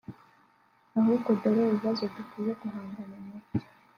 Ahubwo dore ibibazo dukwiye guhangana nabyo